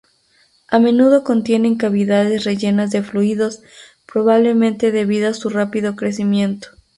A menudo contiene cavidades rellenas de fluidos, probablemente debido a su rápido crecimiento.